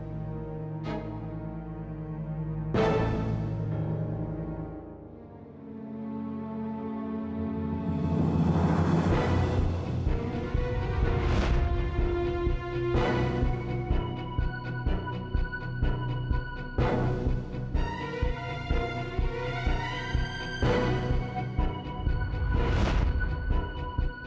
itu adalah cara kami jatuh keras